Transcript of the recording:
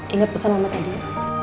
ingat pesan mama tadi